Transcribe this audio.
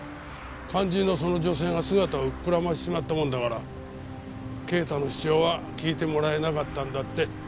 肝心のその女性が姿をくらましちまったもんだから啓太の主張は聞いてもらえなかったんだって。